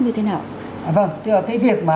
như thế nào vâng cái việc